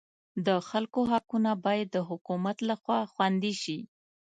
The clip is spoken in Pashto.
د خلکو حقونه باید د حکومت لخوا خوندي شي.